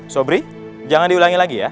sobri jangan diulangi lagi ya